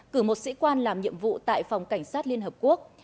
cử một sĩ quan làm nhiệm vụ tại phòng cảnh sát liên hợp quốc